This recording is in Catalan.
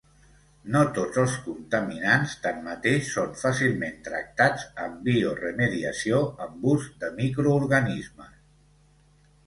No tots els contaminants, tanmateix, són fàcilment tractats amb bioremediació amb ús de microorganismes.